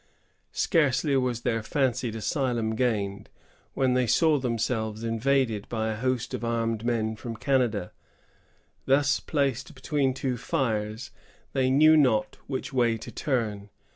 Scarcely was their fancied asylum gained, when they saw themselves invaded by a host of armed men from Canada. Thus placed between two fires, they knew not which way to turn.